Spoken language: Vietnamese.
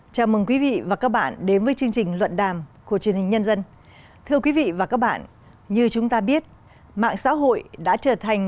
chào mừng quý vị và các bạn đến với chương trình luận đàm của truyền hình nhân dân